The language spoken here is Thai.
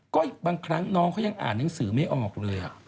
ก็บางครั้งน้องเขายังอ่านหนังสือไม่ออกเลย